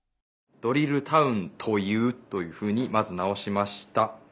「ドリルタウン『という』」というふうにまずなおしました。